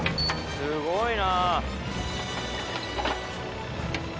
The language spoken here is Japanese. すごいな。